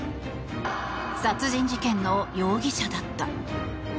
殺人事件の容疑者だった。